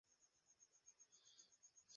ও বিশ্বাস ভঙ্গ করেছে।